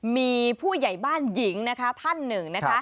มีผู้ใหญ่บ้านหญิงนะคะท่านหนึ่งนะคะ